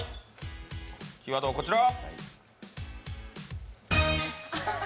キーワードはこちら。